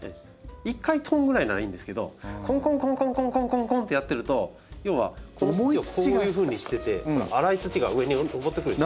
１回トンぐらいならいいんですけどコンコンコン！ってやってると要はこの土をこういうふうにしててこの粗い土が上に上ってくるでしょ。